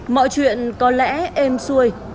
mọi chuyện có lẽ êm xuôi